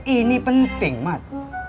ini penting mat